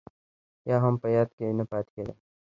يا هم په ياد کې نه پاتې کېدل.